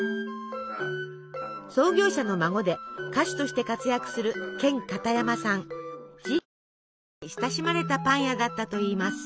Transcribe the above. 創業者の孫で歌手として活躍する地域住民に親しまれたパン屋だったといいます。